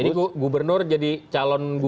jadi gubernur jadi calon gubernur